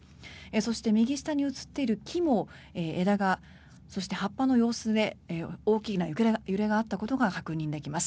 そして、右下に映っている木もそして葉っぱの様子で大きな揺れがあったことが確認できます。